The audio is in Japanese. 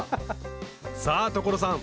さぁ所さん！